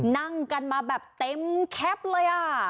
นั่งกันมาแบบเต็มแคปเลย